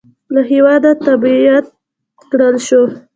له هېواده تبعید کړل شو.